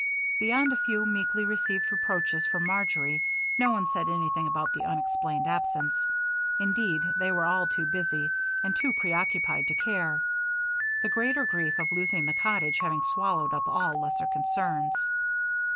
Beyond a few meekly received reproaches from Marjory, no one said anything about the unexplained absence. Indeed, they were all too busy and too preoccupied to care, the greater grief of losing the cottage having swallowed up all lesser concerns.